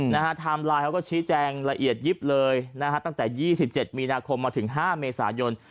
นะฮะไทม์ไลน์เขาก็ชี้แจงละเอียดยิบเลยนะฮะตั้งแต่๒๗มีนาคมมาถึง๕เมษายน